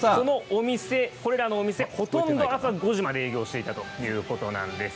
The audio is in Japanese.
これらのお店、ほとんどのお店が朝５時まで影響していたということなんです。